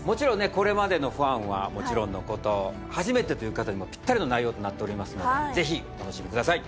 これまでのファンはもちろんのこと初めてという方にもぴったりの内容となっておりますのでぜひお楽しみください